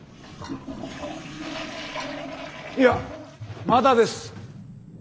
いやまだです！